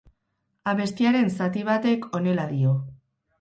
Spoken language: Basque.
Abestiaren zati batek honela dio.